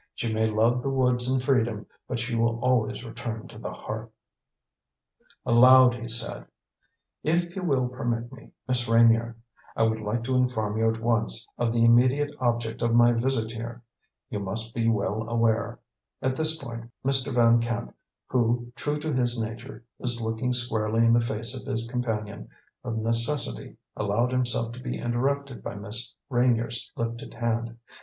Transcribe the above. "She may love the woods and freedom, but she will always return to the hearth." Aloud he said: "If you will permit me, Miss Reynier, I would like to inform you at once of the immediate object of my visit here. You must be well aware " At this point Mr. Van Camp, who, true to his nature, was looking squarely in the face of his companion, of necessity allowed himself to be interrupted by Miss Reynier's lifted hand.